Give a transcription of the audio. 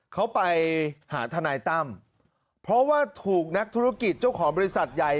เขาไปหาทนายตั้มเพราะว่าถูกนักธุรกิจเจ้าของบริษัทใหญ่